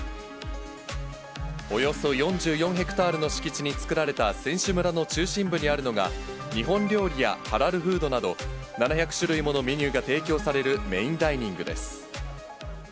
およそ４４ヘクタールの敷地に作られた選手村の中心部にあるのが、日本料理やハラルフードなど、７００種類ものメニューが提供されるメインダイニングです。